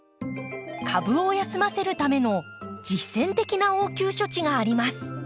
株を休ませるための実践的な応急処置があります。